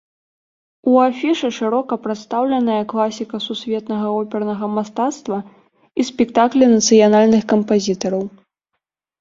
У афішы шырока прадстаўленая класіка сусветнага опернага мастацтва і спектаклі нацыянальных кампазітараў.